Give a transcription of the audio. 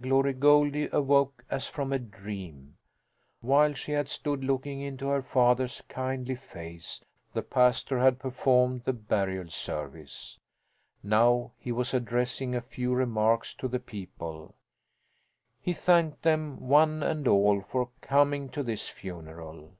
Glory Goldie awoke as from a dream. While she had stood looking into her father's kindly face the pastor had performed the burial service. Now he was addressing a few remarks to the people; he thanked them, one and all, for coming to this funeral.